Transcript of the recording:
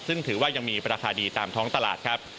ซึ่งถือว่ายังมีราคาดีตามท้องตลาดครับ